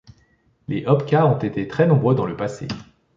Les Opca ont été très nombreux dans le passé.